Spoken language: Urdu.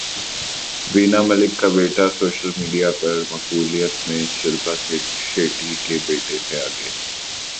وینا ملک کا بیٹا سوشل میڈیا پر مقبولیت میں شلپا شیٹھی کے بیٹے سے آگے